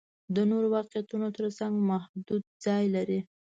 د نورو واقعیتونو تر څنګ محدود ځای لري.